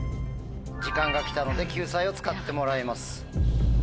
時間が来たので救済を使ってもらいます。